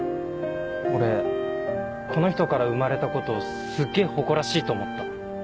俺この人から生まれたことすっげぇ誇らしいと思った。